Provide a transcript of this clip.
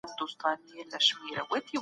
د ټولني بدويت تر پرمختګ ډېر ځورونکی دی.